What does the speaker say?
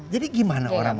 jadi gimana orang